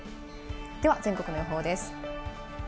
では全国の予報です。